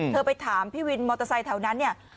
เธอไปถามพี่วินมอเตอร์ไซค์แถวนั้น